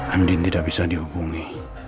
andin tidak bisa dihubungi